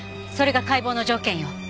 それが解剖の条件よ。